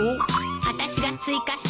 あたしが追加したの。